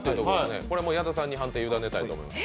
これは矢田さんに判定を委ねたいと思います。